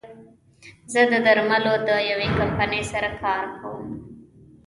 زه د درملو د يوې کمپنۍ سره کار کوم